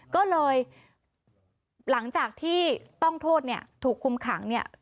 ก็เลยหลังจากที่ต้องโทษเนี่ยถูกคุมขังเนี่ย